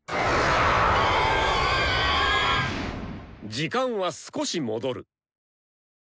時間は少し戻る。